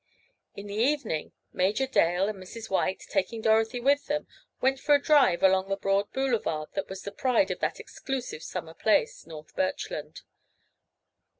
In the evening Major Dale and Mrs. White, taking Dorothy with them, went for a drive along the broad boulevard that was the pride of that exclusive summer place—North Birchland.